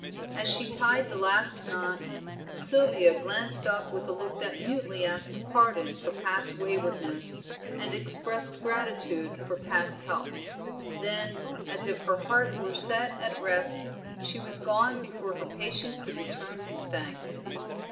As she tied the last knot, Sylvia glanced up with a look that mutely asked pardon for past waywardness, and expressed gratitude for past help; then, as if her heart were set at rest, she was gone before her patient could return his thanks.